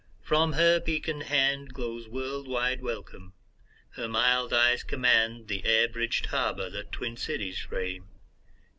From her beacon handGlows world wide welcome; her mild eyes commandThe air bridged harbour that twin cities frame.